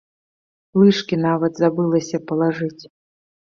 Лыжкі нават забылася палажыць.